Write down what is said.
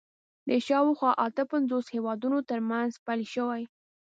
د شاوخوا اته پنځوس هېوادونو تر منځ پیل شوي